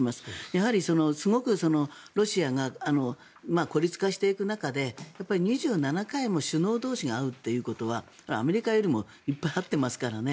やはりすごくロシアが孤立化していく中で２７回も首脳同士が会うということはアメリカよりもいっぱい会ってますからね。